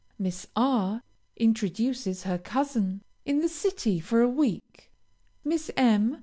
Miss R. introduces her cousin, in the city for a week. Miss M.